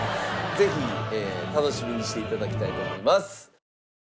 ぜひ楽しみにして頂きたいと思います。